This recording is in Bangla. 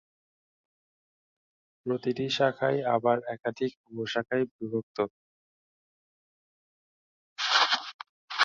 প্রতিটি শাখাই আবার একাধিক উপশাখায় বিভক্ত।